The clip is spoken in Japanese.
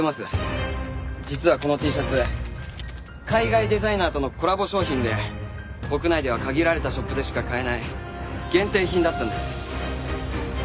実はこのＴシャツ海外デザイナーとのコラボ商品で国内では限られたショップでしか買えない限定品だったんです。